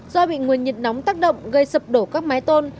do bị nguồn nhiệt nóng tác động gây sập đổ các mái tôn